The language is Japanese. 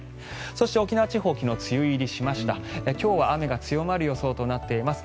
そして、沖縄地方昨日、梅雨入りしました今日は雨が強まる予想になっています。